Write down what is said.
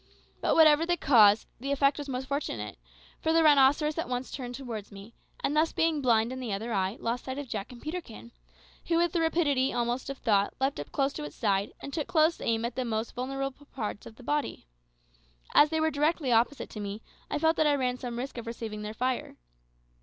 But whatever the cause, the effect was most fortunate; for the rhinoceros at once turned towards me, and thus, being blind in the other eye, lost sight of Jack and Peterkin, who with the rapidity almost of thought leaped close up to its side, and took close aim at the most vulnerable parts of its body. As they were directly opposite to me, I felt that I ran some risk of receiving their fire.